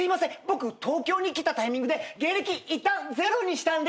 僕東京に来たタイミングで芸歴いったんゼロにしたんで。